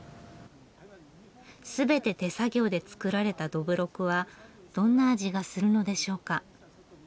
全て手作業で造られたどぶろくはどんな味がするのでしょうか？